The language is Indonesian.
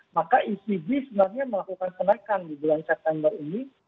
maka ecb sebenarnya melakukan kenaikan di bulan september ini